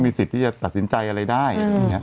มีสิทธิ์ที่จะตัดสินใจอะไรได้